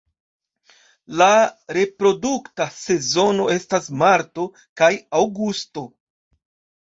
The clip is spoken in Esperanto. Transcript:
La reprodukta sezono estas marto kaj aŭgusto.